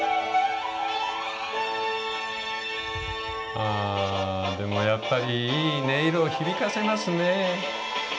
あでもやっぱりいい音色を響かせますね。